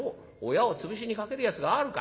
親をつぶしにかけるやつがあるか。